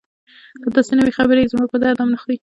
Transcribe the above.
که داسې نه وي خبرې یې زموږ په درد هم نه خوري.